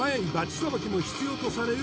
捌きも必要とされる